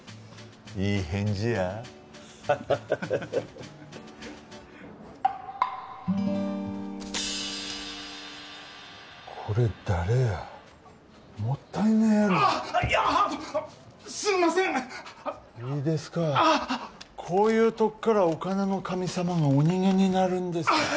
いい返事やこれ誰やもったいねえやろ・いやすんませんいいですかこういうとっからお金の神様がお逃げになるんですああ